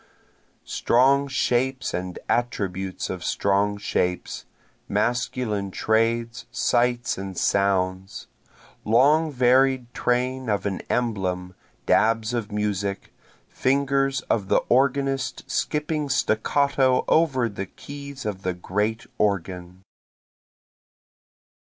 Strong shapes and attributes of strong shapes, masculine trades, sights and sounds. Long varied train of an emblem, dabs of music, Fingers of the organist skipping staccato over the keys of the great organ.